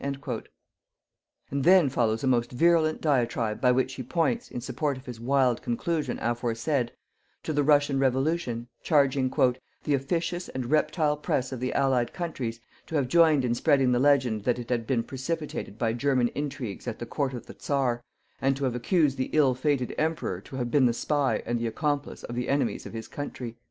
And then follows a most virulent diatribe by which he points, in support of his wild conclusion aforesaid, to the Russian revolution, charging "_the officious and reptile press of the Allied countries to have joined in spreading the legend that it had been precipitated by German intrigues at the Court of the Czar, and to have accused the ill fated Emperor to have been the spy and the accomplice of the enemies of his country_."